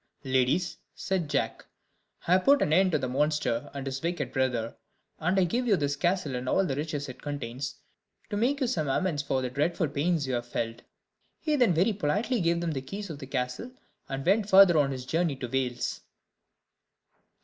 "Ladies," said Jack, "I have put an end to the monster and his wicked brother; and I give you this castle and all the riches it contains, to make you some amends for the dreadful pains you have felt." He then very politely gave them the keys of the castle, and went further on his journey to Wales.